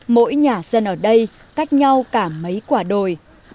mỗi nhà dân ở đây cách nhau cả mấy quả đồi